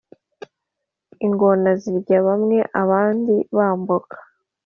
Ingona zirya bamwe abandi bambuka.